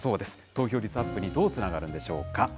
投票率アップにどうつながるんでしょうか。